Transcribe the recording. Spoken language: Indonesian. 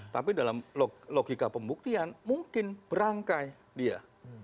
tapi dalam logika pembuktian mungkin berangkai dia